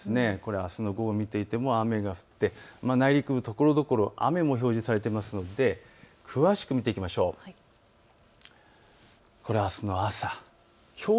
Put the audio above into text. あすの午後、見ても降っていて内陸部ところどころ雨も表示されていますので詳しく見ていきましょう。